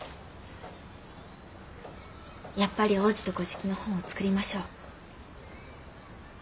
やっぱり「王子と乞食」の本を作りましょう。